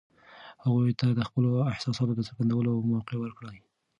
هغوی ته د خپلو احساساتو د څرګندولو موقع ورکړئ.